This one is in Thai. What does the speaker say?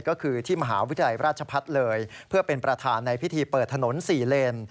ก็คือที่มหาวิทยาลัยราชพัฒน์เลยเพื่อเป็นประธานในพิธีเปิดถนน๔เลน